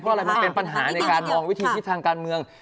เพราะอะไรมันเป็นปัญหาในการมองวิธีที่ทางการเมือง